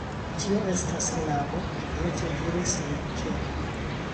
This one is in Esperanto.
Tio estas knabo, kviete diris Mikelo.